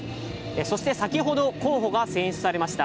そして先ほど、候補が選出されました。